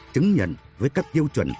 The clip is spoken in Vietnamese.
chứng nhận với các tiêu chuẩn